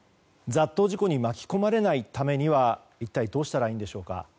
雑踏事故に巻き込まれないためには一体どうしたらいいんでしょうか。